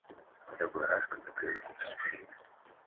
В другой раз, когда привыкнуть успеет.